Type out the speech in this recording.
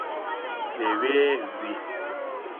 ډیوې وي